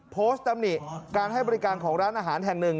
ตำหนิการให้บริการของร้านอาหารแห่งหนึ่ง